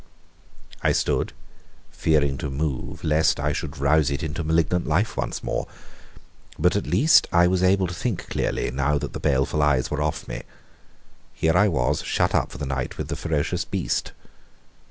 I stood, fearing to move lest I should rouse it into malignant life once more. But at least I was able to think clearly now that the baleful eyes were off me. Here I was shut up for the night with the ferocious beast.